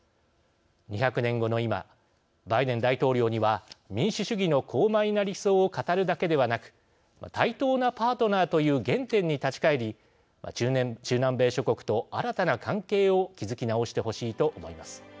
２００年後の今バイデン大統領には民主主義の高まいな理想を語るだけではなく対等なパートナーという原点に立ち返り中南米諸国と新たな関係を築き直してほしいと思います。